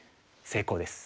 成功です。